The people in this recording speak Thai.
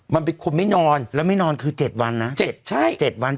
มันเป็นคนไม่นอนแล้วไม่นอนคือเจ็ดวันนะเจ็ดใช่เจ็ดวัน